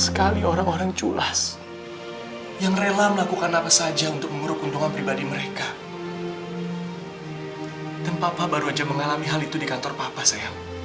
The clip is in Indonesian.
saya mengalami hal itu di kantor papa sayang